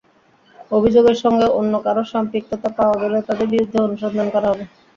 অভিযোগের সঙ্গে অন্য কারও সম্পৃক্ততা পাওয়া গেলে তাঁদের বিরুদ্ধেও অনুসন্ধান করা হবে।